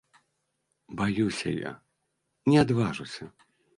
Баюся я, не адважуся.